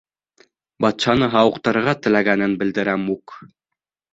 Батшаны һауыҡтырырға теләгәнен белдерә Мук.